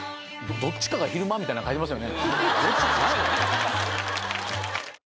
「どっちがか昼間」みたいなんありますよね